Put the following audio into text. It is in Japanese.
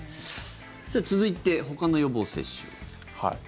続いて、ほかの予防接種。